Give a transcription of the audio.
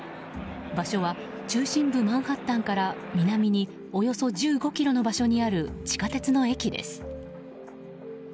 場所は中心部マンハッタンから南におよそ１５ｋｍの場所にある地下鉄の駅です。